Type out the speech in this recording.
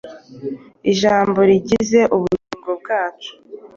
ijambo rigize ubugingo bwacu